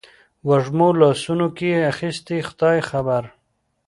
وږمو لاسونو کې اخیستي خدای خبر